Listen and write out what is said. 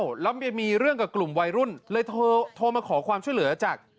แล้วมีเรื่องกับกลุ่มวัยรุ่นเลยโทรมาขอความช่วยเหลือจาก